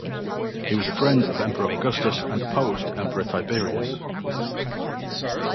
He was a friend of Emperor Augustus and opposed Emperor Tiberius.